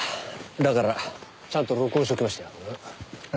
だからちゃんと録音しときました。